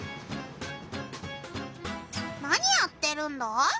何やってるんだ？